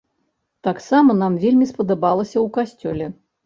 Таксама нам вельмі спадабалася ў касцёле.